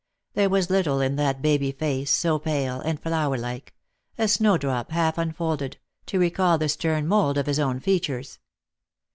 There was little in that baby face, so pale and flower like — a snowdrop half unfolded — to recall the stern mould of his own features.